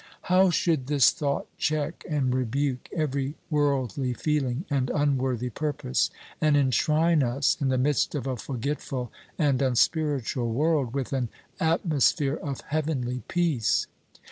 How should this thought check and rebuke every worldly feeling and unworthy purpose, and enshrine us, in the midst of a forgetful and unspiritual world, with an atmosphere of heavenly peace!